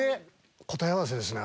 答え合わせですね